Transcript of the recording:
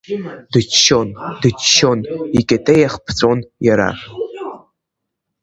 Дыччон, дыччон, икьатеиах ԥҵәон иара.